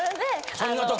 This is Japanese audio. そんな時。